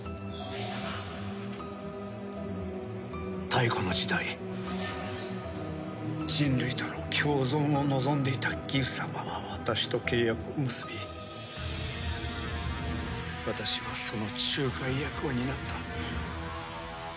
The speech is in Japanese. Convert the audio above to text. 太古の時代人類との共存を望んでいたギフ様は私と契約を結び私はその仲介役を担った。